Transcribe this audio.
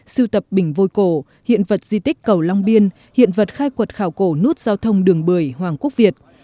sưu tập bình vôi cổ hiện vật di tích cầu long biên hiện vật khai quật khảo cổ nút giao thông đường bưởi hoàng quốc việt